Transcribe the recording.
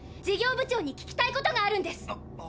事業部長に聞きたいことがあるんです。